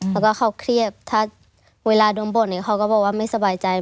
แล้วก็เขาเครียดถ้าเวลาดมบทเขาก็บอกว่าไม่สบายใจ